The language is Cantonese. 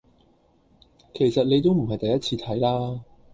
其實你都唔係第一次睇啦